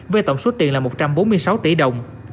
với tổng số tiền là một trăm bốn mươi sáu tỷ đồng